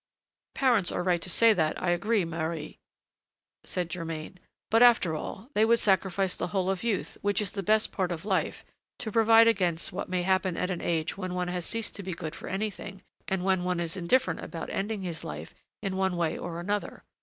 "Parents are right to say that, I agree, Marie," said Germain; "but, after all, they would sacrifice the whole of youth, which is the best part of life, to provide against what may happen at an age when one has ceased to be good for anything, and when one is indifferent about ending his life in one way or another.